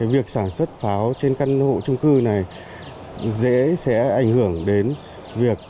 việc sản xuất pháo trên căn hộ trung cư này dễ sẽ ảnh hưởng đến việc cháy nổ